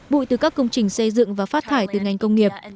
bụi từ các công trình xây dựng và phát thải từ ngành công nghiệp